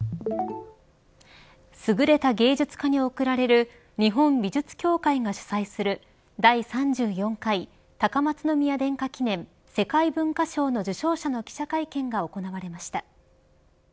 優れた芸術家に贈られる日本美術協会が主催する第３４回高松宮殿下記念世界文化賞の受賞者の記者会見が行われました。